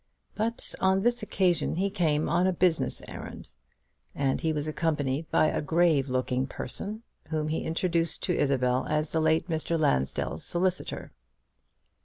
But on this occasion he came on a business errand; and he was accompanied by a grave looking person, whom he introduced to Isabel as the late Mr. Lansdell's solicitor.